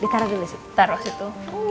taruh di situ